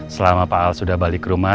selama pak al sudah balik ke rumah